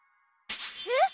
えっ！